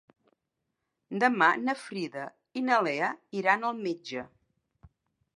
Demà na Frida i na Lea iran al metge.